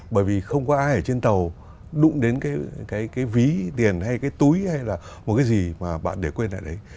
bởi vì không có ai ở trên tàu đụng đến cái ví tiền hay cái túi hay là một cái gì mà bạn để quên ở đấy